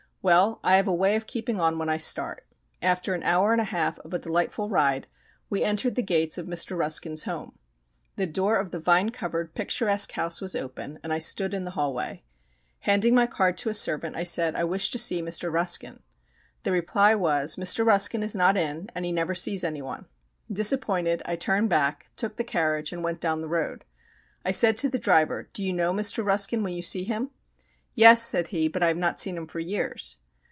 Well, I have a way of keeping on when I start. After an hour and a half of a delightful ride we entered the gates of Mr. Ruskin's home. The door of the vine covered, picturesque house was open, and I stood in the hall way. Handing my card to a servant I said, "I wish to see Mr. Ruskin." The reply was, "Mr. Ruskin is not in, and he never sees anyone." Disappointed, I turned back, took the carriage and went down the road. I said to the driver, "Do you know Mr. Ruskin when you see him?" "Yes," said he; "but I have not seen him for years."